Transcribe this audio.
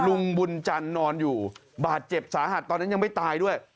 ลุงบุญจันทร์นอนอยู่บาดเจ็บสาหัสตอนนั้นยังไม่ตายด้วย